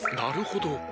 なるほど！